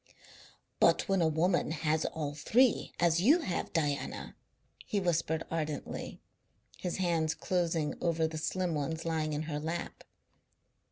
"But when a woman has all three, as you have, Diana," he whispered ardently, his hands closing over the slim ones lying in her lap.